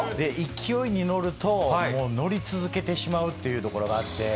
勢いに乗ると、もう乗り続けてしまうっていうところがあって。